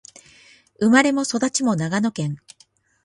生まれも育ちも長野県